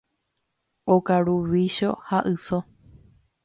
Okaru vícho ha yso.